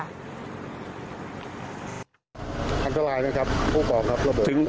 อันตรายนะครับผู้ปล่องระเบิด